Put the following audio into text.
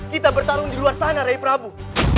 kita bertarung di luar sana rai prabu